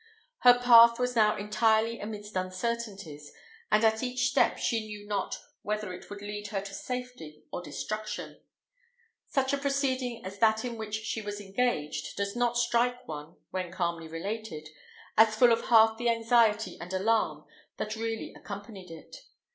Her path was now entirely amidst uncertainties, and at each step she knew not whether it would lead her to safety or destruction. Such a proceeding as that in which she was engaged does not strike one, when calmly related, as full of half the anxiety and alarm that really accompanied it.